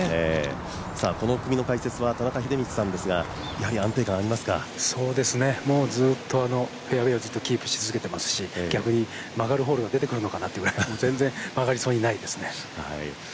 この組の解説は田中秀道さんですがずっとフェアウエーをキープし続けていますし逆に曲がるホールが出てくるのかなっていう全然、曲がりそうにないですね。